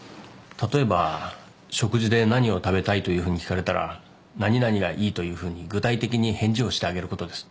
例えば食事で何を食べたいというふうに聞かれたら何々がいいというふうに具体的に返事をしてあげることです。